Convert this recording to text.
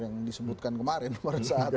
yang disebutkan kemarin pada saat